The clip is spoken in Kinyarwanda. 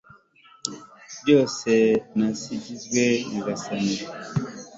byose, nasingizwe nyagasani